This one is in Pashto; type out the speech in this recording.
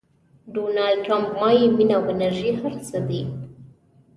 ډونالډ ټرمپ وایي مینه او انرژي هر څه دي.